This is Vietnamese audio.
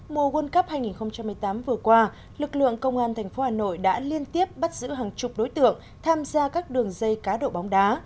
mùa world cup hai nghìn một mươi tám vừa qua lực lượng công an tp hà nội đã liên tiếp bắt giữ hàng chục đối tượng tham gia các đường dây cá độ bóng đá